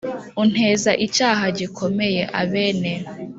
Unteza icyaha gikomeye a bene